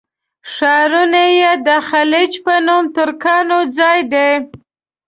ښارونه یې د خلُخ په نوم ترکانو ځای دی.